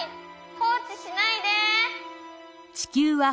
放置しないで！